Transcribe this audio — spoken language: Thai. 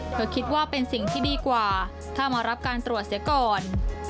เธอคิดว่าเป็นสิ่งที่ดีกว่าถ้ามารับการตรวจเสียก่อน